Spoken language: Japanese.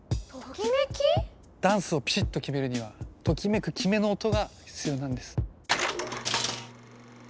ダンスをピシッと決めるにはときめく「キメ」の音が必要なんです。